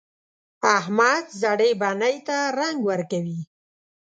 احمد زړې بنۍ ته رنګ ورکوي.